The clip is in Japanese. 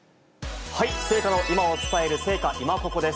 聖火の今を伝える、聖火いまココっ！です。